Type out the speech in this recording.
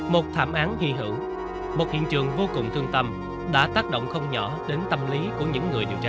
một thảm án di hữu một hiện trường vô cùng thương tâm đã tác động không nhỏ đến tâm lý của những người điều tra